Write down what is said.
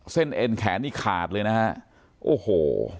เส้นเองแขนหยีดขาดเลยนะโอ้โห